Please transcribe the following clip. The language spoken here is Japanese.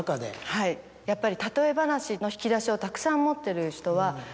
はいやっぱり。